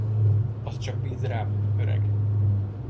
Azt csak bízd rám, öreg!